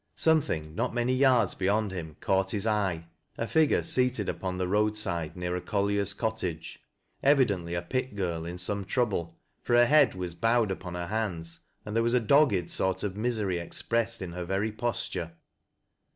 Something, not iQany yards beyond him, caught his eye — a figure seated upon the road side near a collier's cottage — evidently a pit girl in some trouble, for her head was bo\N'ed upon her 1* 10 THAT LASS 0' LOWBIE'B hands, and there was a dogged sort of iDisery expressed ii her very posture.